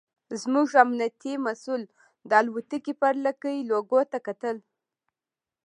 زموږ امنیتي مسوول د الوتکې پر لکۍ لوګو ته کتل.